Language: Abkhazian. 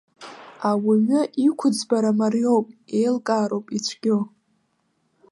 Ауаҩы иқәыӡбара мариоуп, иеилкаароуп ицәгьоу.